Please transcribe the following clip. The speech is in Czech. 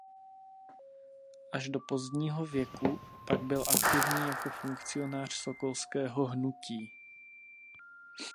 Až do pozdního věku pak byl aktivní jako funkcionář sokolského hnutí.